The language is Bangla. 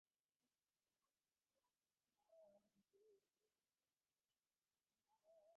বিনোদিনীর সেই কৃশপাণ্ডুর মুখ দেখিয়া মহেন্দ্রের মর্ োনল জ্বলিয়া উঠিল।